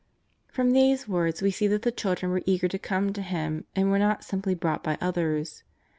From these words we see that the children were eager to come to Him, and were not simply brought by others.